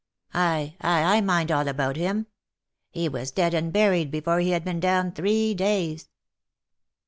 Ay, ay, I mind all about him. He was dead and buried before he had been down three days."